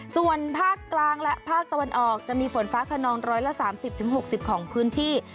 ส่วนภาคกลางและภาคตะวันออกจะมีฝนฟ้าขนอง๑๓๐๖๐ของพื้นที่